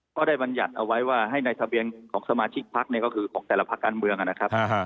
บรรยัติเอาไว้ว่าให้ในทะเบียนของสมาชิกพักเนี่ยก็คือของแต่ละพักการเมืองนะครับ